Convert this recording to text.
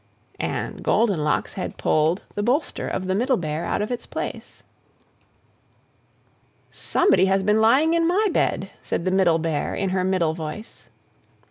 And Goldenlocks had pulled the bolster of the Middle Bear out of its place. "SOMEBODY HAS BEEN LYING IN MY BED!" said the Middle Bear, in her middle voice.